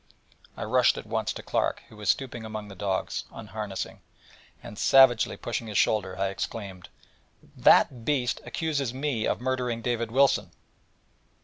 I rushed at once to Clark, who was stooping among the dogs, unharnessing: and savagely pushing his shoulder, I exclaimed: 'That beast accuses me of murdering David Wilson!'